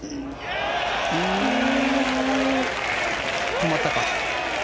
止まったか。